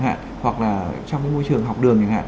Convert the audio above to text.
hoặc là trong môi trường học đường